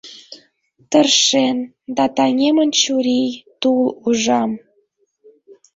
Тыршен, да таҥемын чурий — тул, ужам.